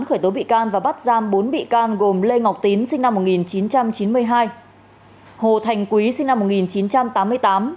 khởi tố bị can và bắt giam bốn bị can gồm lê ngọc tín sinh năm một nghìn chín trăm chín mươi hai hồ thành quý sinh năm một nghìn chín trăm tám mươi tám